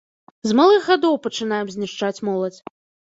З малых гадоў пачынаем знішчаць моладзь.